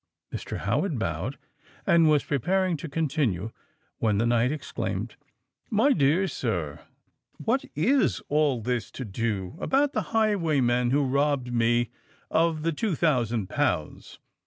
Mr. Howard bowed, and was preparing to continue, when the knight exclaimed, "My dear sir, what is all this to do about the highwayman who robbed me of the two thousand pounds?